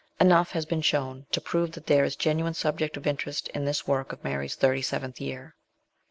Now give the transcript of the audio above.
Enough has been shown to prove that there is genuine subject of interest in this work of Mary's thirty seventh year.